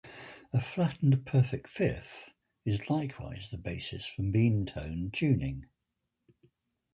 A flattened perfect fifth is likewise the basis for meantone tuning.